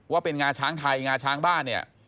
ว่าเป็นงาช้างไทยงาช้างบ้านเนี่ย